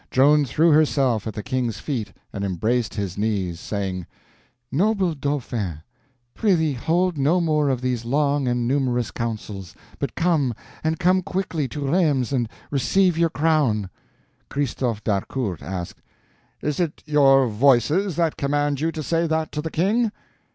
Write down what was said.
Joan threw herself at the King's feet and embraced his knees, saying: "Noble Dauphin, prithee hold no more of these long and numerous councils, but come, and come quickly, to Rheims and receive your crown." Christophe d'Harcourt asked: "Is it your Voices that command you to say that to the King?"